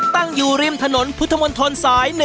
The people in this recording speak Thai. ตั้งอยู่ริมถนนพุทธมนตรสาย๑